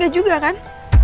tempat singgah juga kan